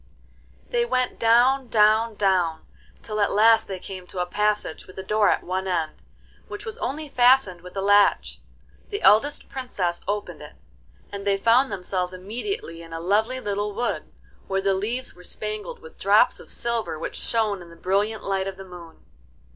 VII They went down, down, down, till at last they came to a passage with a door at one end, which was only fastened with a latch. The eldest Princess opened it, and they found themselves immediately in a lovely little wood, where the leaves were spangled with drops of silver which shone in the brilliant light of the moon.